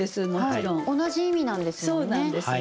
同じ意味なんですもんね。